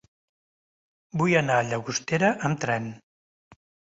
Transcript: Vull anar a Llagostera amb tren.